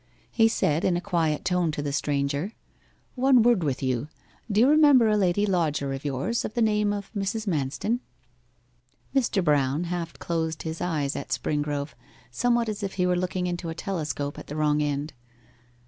He said in a quiet tone to the stranger, 'One word with you do you remember a lady lodger of yours of the name of Mrs. Manston?' Mr. Brown half closed his eyes at Springrove, somewhat as if he were looking into a telescope at the wrong end.